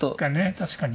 確かに。